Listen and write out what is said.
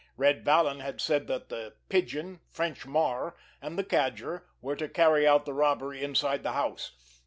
Red Vallon had said that the Pigeon, French Marr and the Cadger were to carry out the robbery inside the house.